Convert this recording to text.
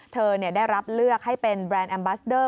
เธอได้รับเลือกให้เป็นแบรนด์แอมบัสเดอร์